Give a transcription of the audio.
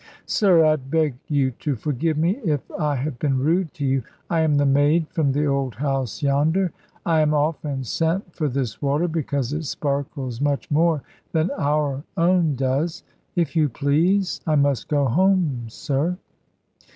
"Sir, I beg you to forgive me, if I have been rude to you. I am the maid from the old house yonder. I am often sent for this water, because it sparkles much more than our own does. If you please, I must go home, sir."